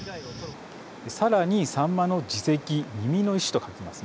さらに、サンマの耳石耳の石と書きます。